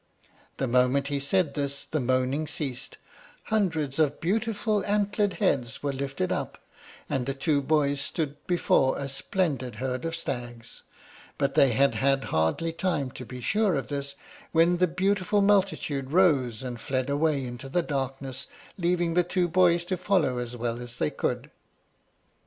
The moment he said this the moaning ceased, hundreds of beautiful antlered heads were lifted up, and the two boys stood before a splendid herd of stags; but they had had hardly time to be sure of this when the beautiful multitude rose and fled away into the darkness, leaving the two boys to follow as well as they could.